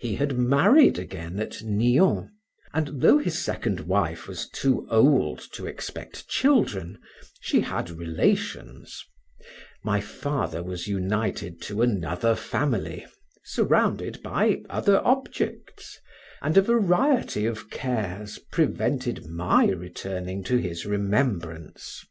He had married again at Nion, and though his second wife was too old to expect children, she had relations; my father was united to another family, surrounded by other objects, and a variety of cares prevented my returning to his remembrance.